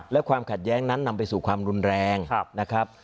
และความขัดแย้งนั้นนำไปสู่ความรุนแรงนะครับ